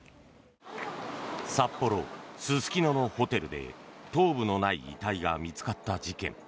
札幌・すすきののホテルで頭部のない遺体が見つかった事件。